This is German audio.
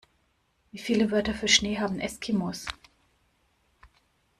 Wie viele Wörter für Schnee haben Eskimos?